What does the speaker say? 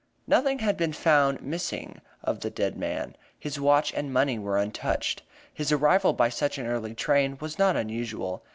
Nothing had been found missing from the dead man; his watch and money were untouched. His arrival by such an early train was not unusual.